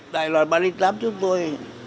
đại loại ba trăm linh tám chúng tôi